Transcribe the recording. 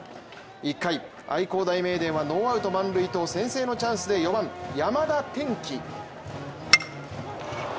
１回、愛工大名電はノーアウト満塁と先制のチャンスで４番、山田空暉。